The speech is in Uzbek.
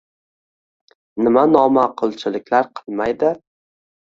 Nima noma’qulchiliklar qilmaydi!..